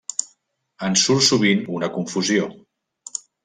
En surt sovint una confusió.